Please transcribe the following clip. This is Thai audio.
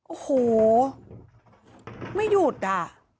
โอ้โหไม่หยุดอ่ะ